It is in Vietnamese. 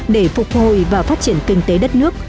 để phục hồi và phát triển kinh tế đất nước